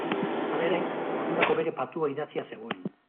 Halere, ordurako bere patua idatzia zegoen.